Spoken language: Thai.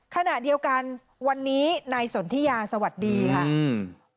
ขณะเดียวกันวันนี้นายสนทิยาสวัสดีค่ะอืม